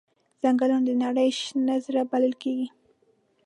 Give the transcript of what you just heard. ځنګلونه د نړۍ شنه زړه بلل کېږي.